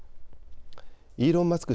イーロン・マスク